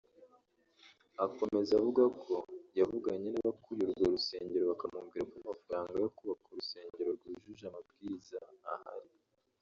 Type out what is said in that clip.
Akomeza avuga ko yavuganye n’abakuriye urwo rusengero bakamubwira ko amafaranga yo kubaka urusengero rwujuje amabwiriza ahari